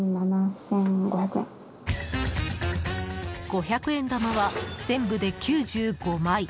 五百円玉は全部で９５枚。